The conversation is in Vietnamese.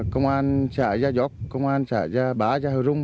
công an xã iayoc công an xã iabã iahurung